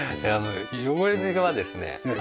汚れはですね